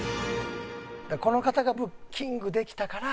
この方がブッキングできたから。